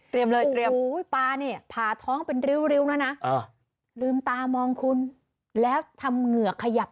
นี่ฉันพูดจริงถามแค่ว่า